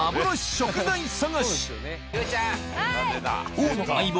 ・王の相棒